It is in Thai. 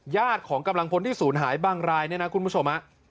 ญาติของกำลังพลที่ศูนย์หายบางรายเนี่ยนะคุณผู้ชม